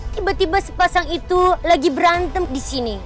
tiba tiba sepasang itu lagi berantem di sini